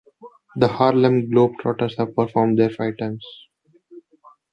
The Harlem Globetrotters have performed there five times.